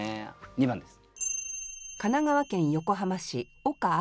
２番です。